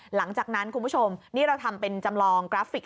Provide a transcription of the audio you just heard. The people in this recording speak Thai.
หลังจากนั้นคุณผู้ชมนี่เราทำเป็นจำลองกราฟิก